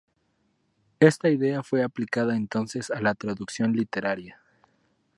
Esta idea fue aplicada entonces a la traducción literaria.